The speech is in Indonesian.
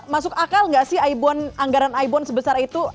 masuk akal gak sih anggaran aibon sebesar itu